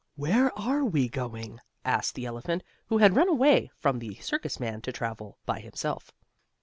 "Where are we going?" asked the elephant, who had run away from the circus man to travel by himself.